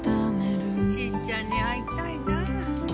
しぃちゃんに会いたいな。